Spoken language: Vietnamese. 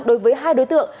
đối với hai đối tượng